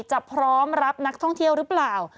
พร้อมรับนักท่องเที่ยวหรือเปล่า